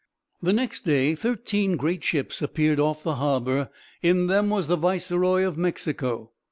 "The next day thirteen great ships appeared off the harbor In them was the Viceroy of Mexico.